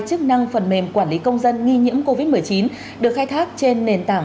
chức năng phần mềm quản lý công dân nghi nhiễm covid một mươi chín được khai thác trên nền tảng